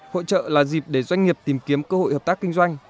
hội trợ là dịp để doanh nghiệp tìm kiếm cơ hội hợp tác kinh doanh